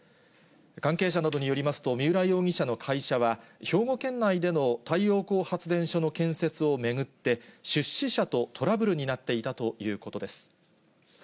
関係者などによりますと、三浦容疑者の会社は、兵庫県内での太陽光発電所の建設を巡って、出資者とトラブルになっていたということです。